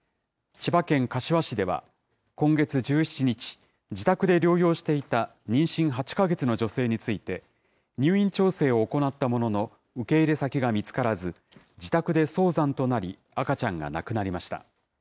千葉県柏市では、今月１７日、自宅で療養していた妊娠８か月の女性について、入院調整を行ったものの、受け入れ先が見つからず、自宅で早産となり赤ちゃんが亡くなりました。